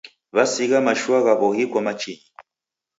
W'asigha mashua ghaw'o ghiko machinyi.